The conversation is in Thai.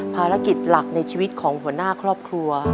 ภารกิจหลักในชีวิตของหัวหน้าครอบครัว